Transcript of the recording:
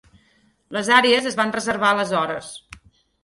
Les àrees es van reservar aleshores.